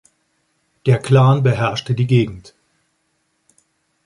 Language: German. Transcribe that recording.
Der Clan beherrschte die Gegend.